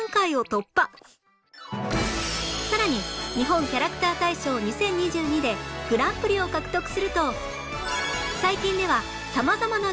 さらに日本キャラクター大賞２０２２でグランプリを獲得すると